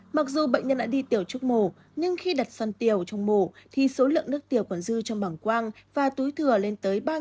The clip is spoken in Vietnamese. mặc dù bệnh nhân đã đi tiểu trước mổ nhưng khi đặt xoăn tiểu trong mổ thì số lượng nước tiểu còn dư trong bằng quang và túi thừa lên tới ba hai trăm linh ml